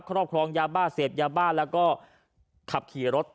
ครอบครองยาบ้าเสพยาบ้าแล้วก็ขับขี่รถ